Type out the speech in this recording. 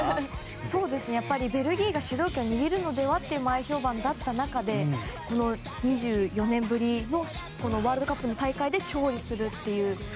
やっぱりベルギーが主導権を握るのでは？という前評判だった中で２４年ぶりのワールドカップの大会で勝利するという。